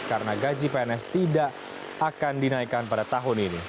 karena gaji pns tidak akan dinaikkan pada tahun ini